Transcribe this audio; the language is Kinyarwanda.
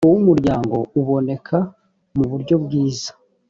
umutungo w umuryango uboneka mu buryo bwiza